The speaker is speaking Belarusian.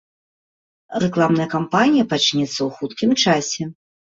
Рэкламная кампанія пачнецца ў хуткім часе.